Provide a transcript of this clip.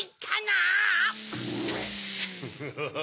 アハハハ！